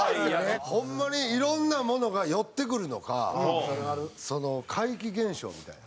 ホンマにいろんなものが寄ってくるのか怪奇現象みたいな。